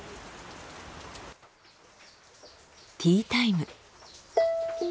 ティータイム。